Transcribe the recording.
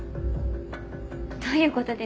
どういうことですか？